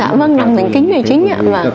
dạ vâng nằm thành kính là chính